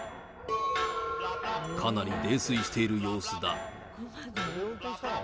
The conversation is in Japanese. かなり泥酔している様子だ。